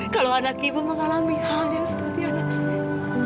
kalau anak ibu mengalami hal yang seperti anak saya